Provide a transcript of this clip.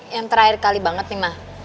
yang terakhir kali banget nih mah